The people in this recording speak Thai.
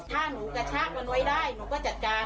ถ้าหนูกระชากมันไว้ได้หนูก็จัดการ